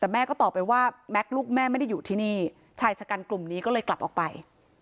แต่แม่ก็ตอบไปว่าแม็กซ์ลูกแม่ไม่ได้อยู่ที่นี่ชายชะกันกลุ่มนี้ก็เลยกลับออกไป